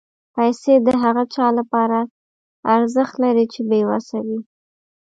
پېسې د هغه چا لپاره ارزښت لري چې بېوسه وي.